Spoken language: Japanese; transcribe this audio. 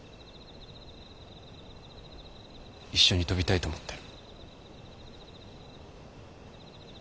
一緒に飛びたいと思ってる。